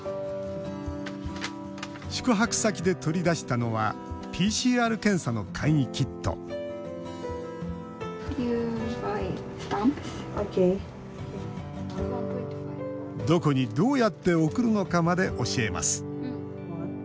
宿泊先で取り出したのはＰＣＲ検査の簡易キットどこにどうやって送るのかまで教えます。